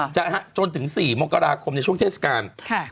จะจนถึง๔มิคมช่วงเทศกาล